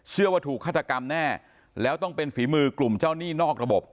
เชื่อว่าถูกฆาตกรรมแน่แล้วต้องเป็นฝีมือกลุ่มเจ้าหนี้นอกระบบ